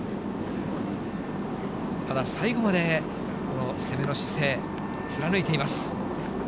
ただ、最後までこの攻めの姿勢、貫いています。